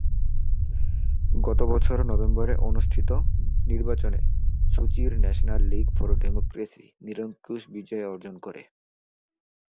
গত বছরের নভেম্বরে অনুষ্ঠিত নির্বাচনে সু চির ন্যাশনাল লিগ ফর ডেমোক্রেসি নিরঙ্কুশ বিজয় অর্জন করে।